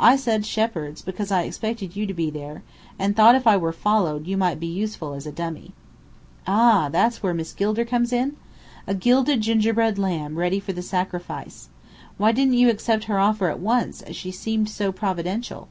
I said Shepheard's, because I expected you to be there, and thought if I were followed, you might be useful as a dummy." "Ah, that's where Miss Gilder comes in? A gilded gingerbread lamb, ready for the sacrifice. Why didn't you accept her offer at once, as she seemed so providential?"